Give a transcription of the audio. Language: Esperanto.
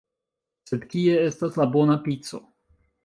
Sed kie estas la bona pico?